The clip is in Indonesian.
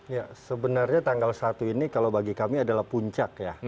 ya sebenarnya tanggal satu ini kalau bagi kami adalah puncak ya